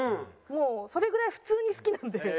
もうそれぐらい普通に好きなんで。